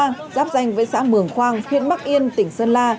giáp danh với xã mường khoang huyện bắc yên tỉnh sơn la